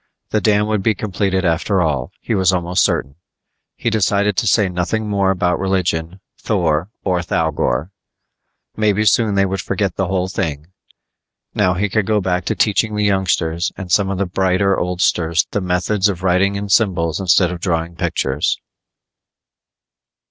The dam would be completed after all, he was almost certain. He decided to say nothing more about religion, Thor or Thougor. Maybe soon they would forget the whole thing. Now he could go back to teaching the youngsters and some of the brighter oldsters the methods of writing in symbols instead of drawing pictures.